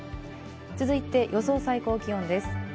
続いて予想最高気温です。